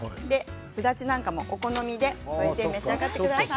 すだちなんかもお好みで添えて召し上がりください。